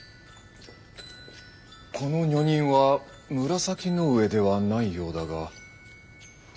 この女人は紫の上ではないようだが。